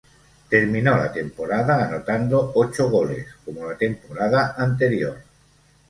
Terminó la temporada anotando ocho goles, como la temporada anterior.